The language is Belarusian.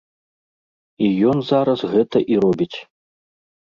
І ён зараз гэта і робіць.